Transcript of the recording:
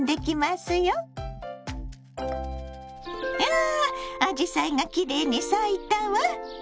わあアジサイがきれいに咲いたわ。